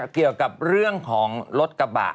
เกี่ยวกับเรื่องของรถกระบะ